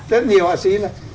rất nhiều họa sĩ là